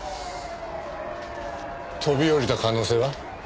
飛び降りた可能性は？